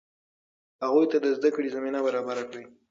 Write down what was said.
هغوی ته د زده کړې زمینه برابره کړئ.